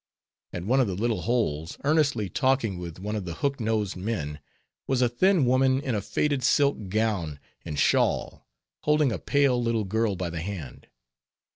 At one of the little holes, earnestly talking with one of the hook nosed men, was a thin woman in a faded silk gown and shawl, holding a pale little girl by the hand.